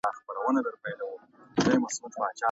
غنم بې اوبو نه حاصلیږي.